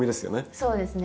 そうですね。